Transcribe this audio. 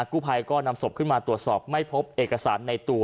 กู้ภัยก็นำศพขึ้นมาตรวจสอบไม่พบเอกสารในตัว